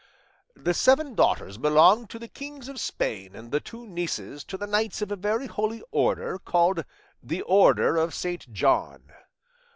The seven daughters belong to the kings of Spain and the two nieces to the knights of a very holy order called the Order of St. John.